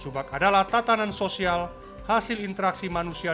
subak adalah tatanan sosial hasil interaksi manusia dan perwujudan virgo